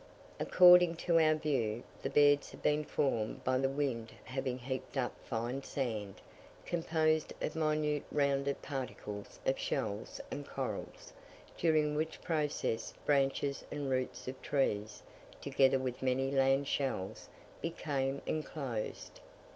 According to our view, the beds have been formed by the wind having heaped up fine sand, composed of minute rounded particles of shells and corals, during which process branches and roots of trees, together with many land shells, became enclosed.